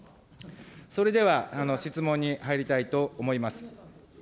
それでは質問に入りたいと思います。